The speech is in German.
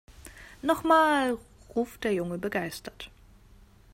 Noch mal!, ruft der Junge begeistert.